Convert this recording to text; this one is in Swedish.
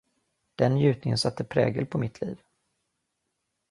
Den njutningen satte prägel på mitt liv.